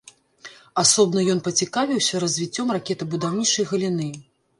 Асобна ён пацікавіўся развіццём ракетабудаўнічай галіны.